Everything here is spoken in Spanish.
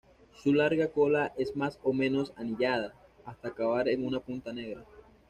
Su larga cola es más o menos anillada, hasta acabar en una punta negra.